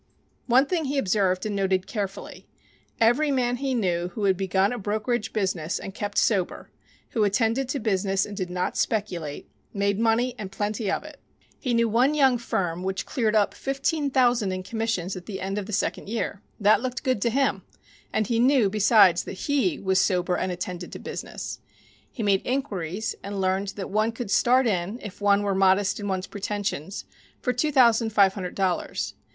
One thing he observed and noted carefully every man he knew who had begun a brokerage business and kept sober, who attended to business and did not speculate, made money and plenty of it. He knew one young firm which cleared up fifteen thousand in commissions at the end of the second year. That looked good to him, and he knew, besides, that he was sober and attended to business. He made inquiries and learned that one could start in, if one were modest in one's pretensions, for two thousand five hundred dollars.